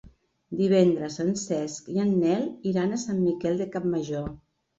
Divendres en Cesc i en Nel iran a Sant Miquel de Campmajor.